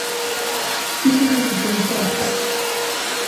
Fíxense se somos transparentes.